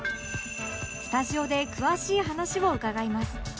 スタジオで詳しい話を伺います